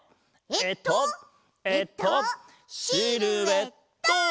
えっとえっとシルエット！